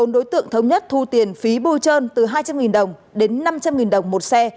một mươi bốn đối tượng thống nhất thu tiền phí bùi trơn từ hai trăm linh đồng đến năm trăm linh đồng một xe